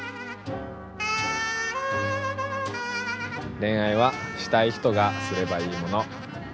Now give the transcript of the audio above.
恋愛はしたい人がすればいいもの。